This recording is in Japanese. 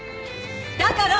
だから。